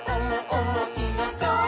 おもしろそう！」